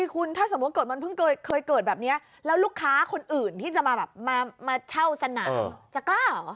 คุณถ้าสมมุติเกิดมันเพิ่งเคยเกิดแบบนี้แล้วลูกค้าคนอื่นที่จะมาแบบมาเช่าสนามจะกล้าเหรอ